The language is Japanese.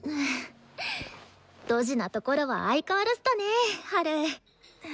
ドジなところは相変わらずだねハル。